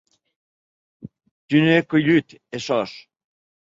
Jo non è cuelhut es sòs!